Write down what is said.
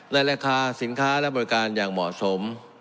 ในราคาสินค้าและบริการอย่างเหมาะสม